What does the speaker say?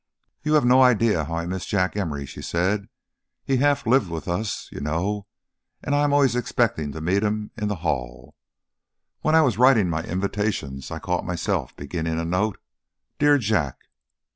"You have no idea how I miss Jack Emory," she said. "He half lived with us, you know, and I am always expecting to meet him in the hall. When I was writing my invitations I caught myself beginning a note, 'Dear Jack.'